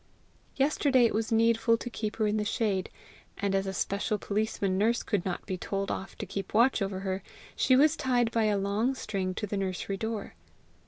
Yesterday it was needful to keep her in the shade; and as a special policeman nurse could not be told off to keep watch over her, she was tied by a long string to the nursery door.